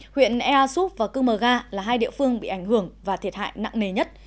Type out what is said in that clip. huyện ea súp và cư mờ ga là hai địa phương bị ảnh hưởng và thiệt hại nặng nề nhất